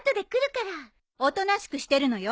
おとなしくしてるのよ。